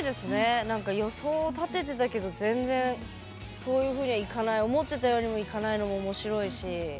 予想を立ててたけど全然そういうふうにはいかない。思ってたようにもいかないのもおもしろいし。